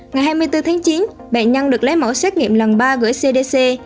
ngày hai mươi bốn tháng chín bệnh nhân được lấy mẫu xét nghiệm lần ba gửi cdc